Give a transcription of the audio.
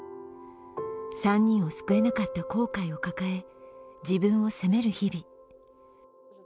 ３人を救えなかった後悔を抱え自分を責める日々。